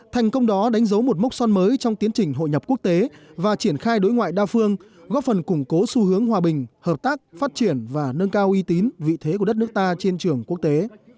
thành công đó đánh dấu một mốc son mới trong tiến trình hội nhập quốc tế và triển khai đối ngoại đa phương góp phần củng cố xu hướng hòa bình hợp tác phát triển và nâng cao uy tín vị thế của đất nước ta trên trường quốc tế